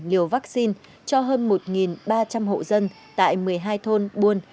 liều vaccine cho hơn một ba trăm linh hộ dân tại một mươi hai thôn buôn